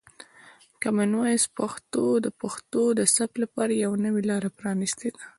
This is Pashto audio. کامن وایس پښتو د پښتو د ثبت لپاره یوه نوې لاره پرانیستې ده.